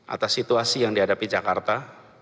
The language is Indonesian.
atas situasi yang dihadapi jakarta